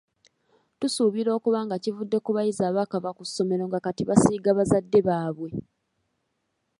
Tusuubira okuba nga kivudde ku bayizi abaakava ku ssomero nga kati basiiga bazadde baabwe.